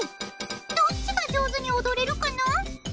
どっちが上手に踊れるかな？